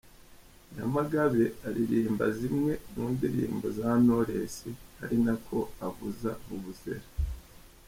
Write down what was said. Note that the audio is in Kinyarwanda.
Nyamagabe aririmba zimwe mu ndirimbo za Knowless ari nako avuza Vuvuzera.